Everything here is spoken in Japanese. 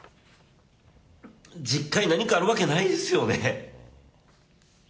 実家に何かあるわけないですよね。